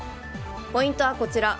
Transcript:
ポイントはこちら。